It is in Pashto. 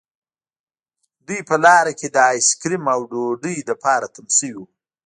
دوی په لاره کې د آیس کریم او ډوډۍ لپاره تم شوي وو